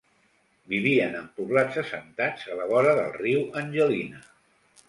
Vivien en poblats assentats a la vora del riu Angelina.